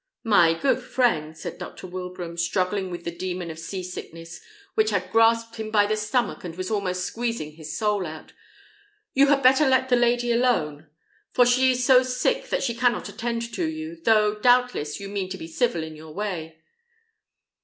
"My good friend," said Dr. Wilbraham, struggling with the demon of sea sickness, which had grasped him by the stomach and was almost squeezing his soul out, "you had better let the lady alone, for she is so sick that she cannot attend to you, though, doubtless, you mean to be civil in your way."